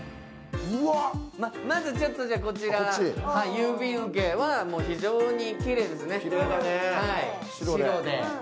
まずこちら郵便受けは非常にきれいですね、白で。